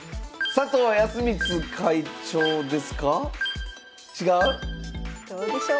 佐藤康光会長でした。